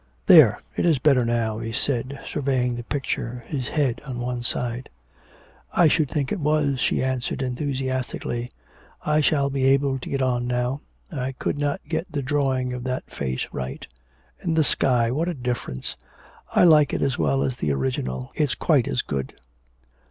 'There, it is better now,' he said, surveying the picture, his head on one side. 'I should think it was,' she answered enthusiastically. 'I shall be able to get on now. I could not get the drawing of that face right. And the sky what a difference! I like it as well as the original. It's quite as good.'